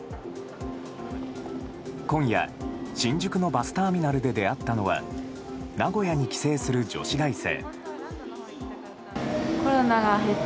今夜、新宿のバスターミナルで出会ったのは名古屋に帰省する女子大生。